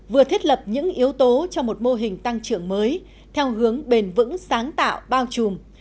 vừa thiết lập những yếu tố cho một mô hình tăng trưởng mới theo hướng bền vững sáng tạo bao trùm